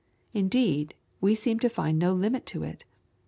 Indeed, we seem to find no limit to it.